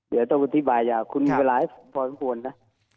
เดี๋ยวต้องอธิบายว่าคุณเวลาให้พอสมควรนะ